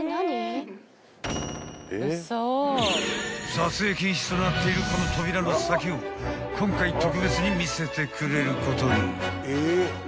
［撮影禁止となっているこの扉の先を今回特別に見せてくれることに］